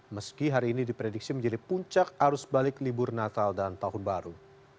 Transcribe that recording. meski hari ini diprediksi menjadi puncak arus balik libur natal dan tahun baru